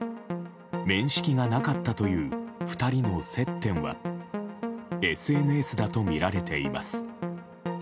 面識がなかったという２人の接点はＳＮＳだとみられています。